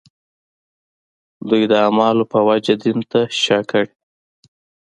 دوی د اعمالو په وجه دین ته شا کړي.